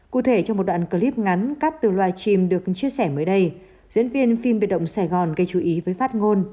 cụ thể trong một đoạn clip ngắn cắt từ live stream được chia sẻ mới đây diễn viên phim biệt động sài gòn gây chú ý với phát ngôn